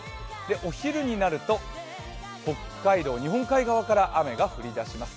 お昼になると北海道、日本海側から雨が降り出します。